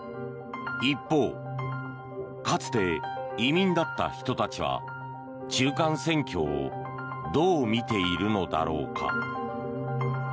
一方、かつて移民だった人たちは中間選挙をどう見ているのだろうか。